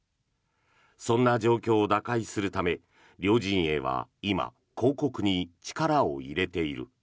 そんな状況を打開するため両陣営は今広告に力を入れている。